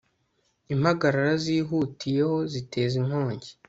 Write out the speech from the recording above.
impagarara zihutiyeho ziteza inkongi